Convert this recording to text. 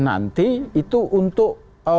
nanti itu untuk